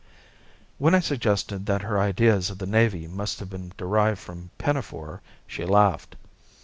When I suggested that her ideas of the navy must have been derived from Pinafore she laughed.